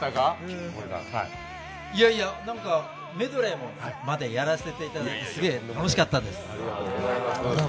いやいや、メドレーまでやらせていただいてすげぇ楽しかったです。